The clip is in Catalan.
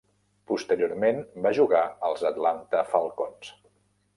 Posteriorment va jugar als Atlanta Falcons.